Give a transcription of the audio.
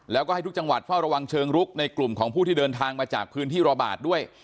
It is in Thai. แล้วก็ให้ทุกจังหวัดเฝ้าระวังเชิงรุกในกลุ่มของผู้ที่เดินทางมาจากพื้นที่ระบาดด้วย